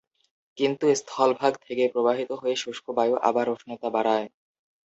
কিন্তু স্থলভাগ থেকে প্রবাহিত শুষ্ক বায়ু আবার উষ্ণতা বাড়ায়।